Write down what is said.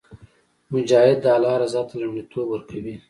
مجاهد د الله رضا ته لومړیتوب ورکوي.